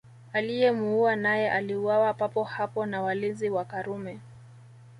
Aliyemuua naye aliuawa papo hapo na walinzi wa Karume